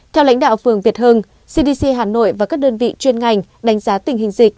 theo lãnh đạo phường việt hưng cdc hà nội và các đơn vị chuyên ngành đánh giá tình hình dịch